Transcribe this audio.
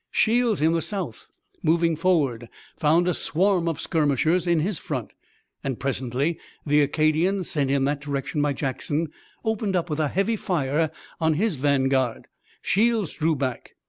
Shields, in the south, moving forward, found a swarm of skirmishers in his front, and presently the Acadians, sent in that direction by Jackson, opened up with a heavy fire on his vanguard. Shields drew back.